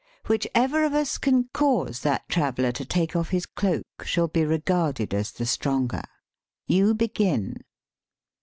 Whichever of us can cause that traveller to take off his cloak shall be regarded as the stronger. You begin."